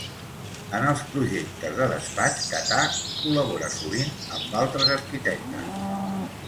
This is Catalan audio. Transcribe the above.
En els projectes de despatx Catà col·labora sovint amb altres arquitectes.